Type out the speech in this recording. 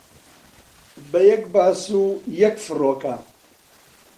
بە یەک باس و یەک فڕۆکە